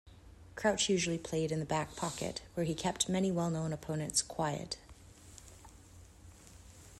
Crouch usually played in the back pocket, where he kept many well-known opponents quiet.